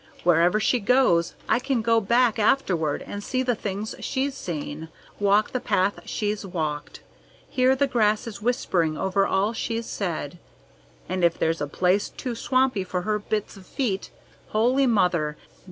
Wherever she goes, I can go back afterward and see the things she's seen, walk the path she's walked, hear the grasses whispering over all she's said; and if there's a place too swampy for her bits of feet; Holy Mother!